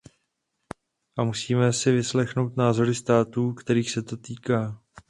A musíme si vyslechnout názory států, kterých se to týká.